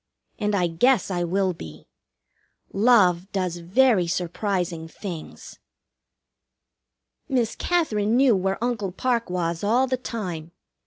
And I guess I will be. Love does very surprising things. Miss Katherine knew where Uncle Parke was all the time.